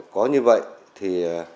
có như vậy thì